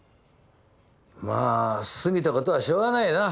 まあ過ぎた事はしょうがないよな。